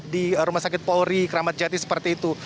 di rumah sakit polri kramat jati seperti itu